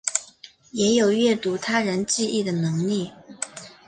也有阅读他人记忆的能力。